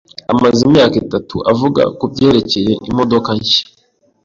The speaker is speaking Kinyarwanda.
amaze imyaka itatu avuga kubyerekeye imodoka nshya.